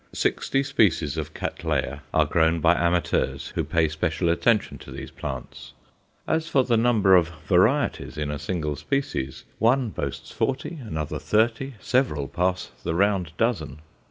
Sixty species of Cattleya are grown by amateurs who pay special attention to these plants; as for the number of "varieties" in a single species, one boasts forty, another thirty, several pass the round dozen.